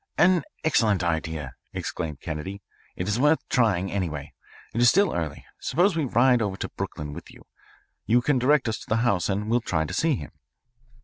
"An excellent idea," exclaimed Kennedy. "It is worth trying anyway. It is still early. Suppose we ride over to Brooklyn with you. You can direct us to the house and we'll try to see him."